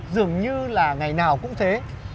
dường như là ngày nào cũng thế